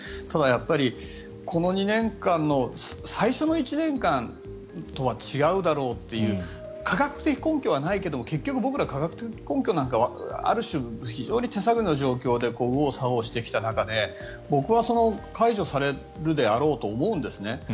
ただ、やっぱりこの２年間の最初の１年間とは違うだろうという科学的根拠はないけども結局僕ら、科学的根拠なんかある種、非常に手探りの状況で右往左往してきた中で僕は解除されるであろうと思うんですね。